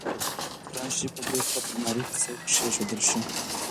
قرانشریف په ډېر احتیاط د المارۍ په سر کېښودل شو.